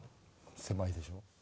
狭いでしょ。